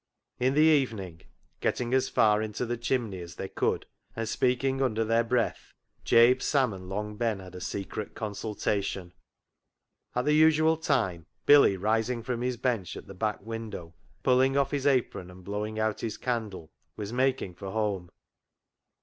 In the evening, getting as far into the chim ney as they could, and speaking under their breath, Jabe, Sam, and Long Ben had a secret consultation. At the usual time Billy, rising from his bench at the back window, pulling off his apron, and blowing out his candle, was making for home.